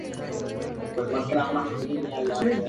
Estudiante del Colegio Nacional de Monserrat.